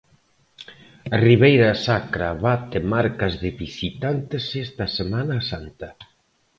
A Ribeira Sacra bate marcas de visitantes esta Semana Santa.